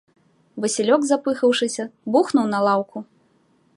Васілёк, запыхаўшыся, бухнуў на лаўку.